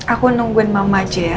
aku nungguin mama aja ya